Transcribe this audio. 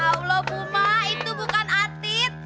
allah buma itu bukan atit